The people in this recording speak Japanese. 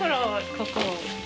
ここ。